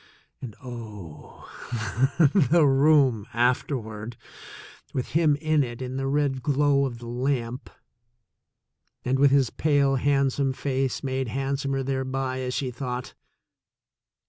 And, oh, the room afterward, with him in it in the red glow of the lamp, and with his pale handsome face made handsomer thereby, as she thought!